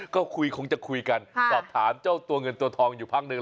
ก็คุยคงจะคุยกันสอบถามเจ้าตัวเงินตัวทองอยู่พักหนึ่ง